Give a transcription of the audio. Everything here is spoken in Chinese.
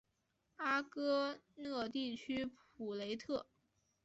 阿戈讷地区普雷特。